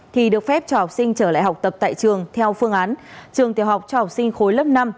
thì được phép cho học sinh trở lại học tập tại trường theo phương án trường tiểu học cho học sinh khối lớp năm